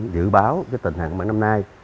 dự báo về tình hình hằng năm nay